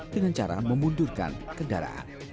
dengan cara memundurkan kendaraan